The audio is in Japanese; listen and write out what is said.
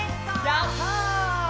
やった！